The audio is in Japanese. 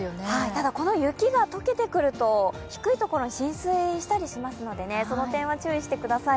ただこの雪が解けてくると低い所、浸水したりしますのでその点は注意してください。